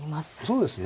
そうですね。